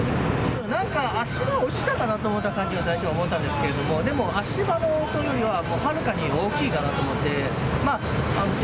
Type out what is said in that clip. なんか足場落ちたかなと思った感じが、さっきの最初は思ったんですけど、でも、足場の音よりはもうはるかに大きいかなと思って。